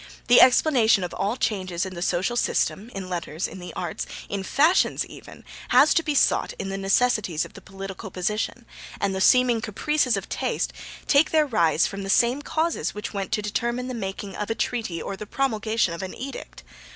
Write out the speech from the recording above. The explanation of all changes in the social system, in letters, in the arts, in fashions even, has to be sought in the necessities of the political position; and the seeming caprices of taste take their rise from the same causes which went to determine the making of a treaty or the promulgation of an edict.